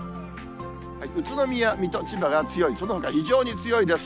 宇都宮、水戸、千葉が強い、そのほか、非常に強いです。